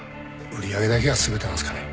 売り上げだけが全てなんすかね？